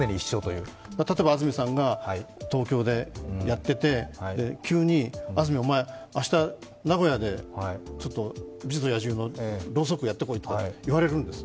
例えば安住さんが東京でやっていて急に安住、お前、明日、名古屋でちょっと「美女と野獣」のろうそくやってこいとか言われるんです。